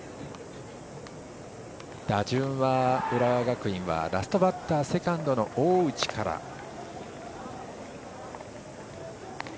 打順は浦和学院ラストバッター、セカンドの大内からです。